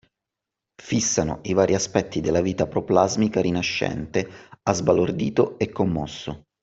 Fissano i vari aspetti della vita proplasmica rinascente ha sbalordito e commosso